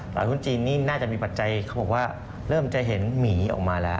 ตลาดทุนจีนนี่น่าจะมีปัจจัยเขาบอกว่าเริ่มจะเห็นหมีออกมาแล้ว